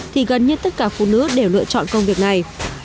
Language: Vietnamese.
thì gần như tất cả phụ nữ đều lựa chọn công việc này